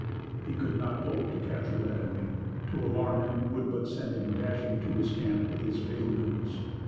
He could not hope to capture that enemy; to alarm him would but send him dashing to his camp with his fatal news.